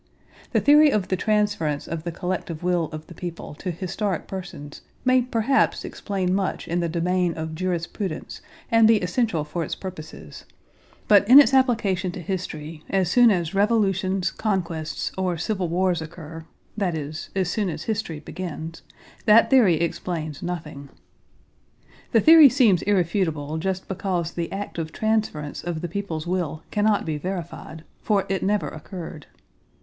The theory of the transference of the collective will of the people to historic persons may perhaps explain much in the domain of jurisprudence and be essential for its purposes, but in its application to history, as soon as revolutions, conquests, or civil wars occur—that is, as soon as history begins—that theory explains nothing. The theory seems irrefutable just because the act of transference of the people's will cannot be verified, for it never occurred.